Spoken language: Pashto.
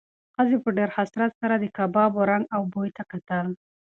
ښځې په ډېر حسرت سره د کبابو رنګ او بوی ته کتل.